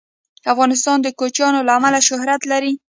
افغانستان د کوچیان له امله شهرت لري.